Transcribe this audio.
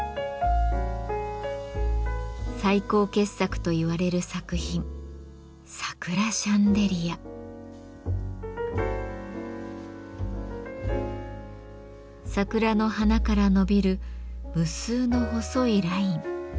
最高傑作といわれる作品桜の花から伸びる無数の細いライン。